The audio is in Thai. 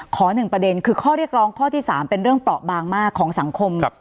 หนึ่งประเด็นคือข้อเรียกร้องข้อที่๓เป็นเรื่องเปราะบางมากของสังคม